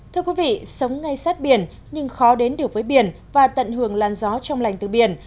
thưa quý vị sống ngay sát biển nhưng khó đến được với biển và tận hưởng làn gió trong lành từ biển